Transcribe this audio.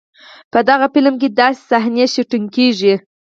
په دغه فلم کې داسې صحنې شوټېنګ کېږي.